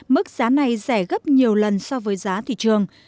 mức giá này rẻ gấp nhiều lần so với giá thị trường